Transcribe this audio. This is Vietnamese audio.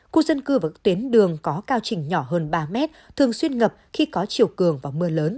khu dân cư và các tuyến đường có cao trình nhỏ hơn ba mét thường xuyên ngập khi có chiều cường và mưa lớn